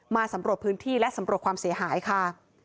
สำรวจพื้นที่และสำรวจความเสียหายค่ะ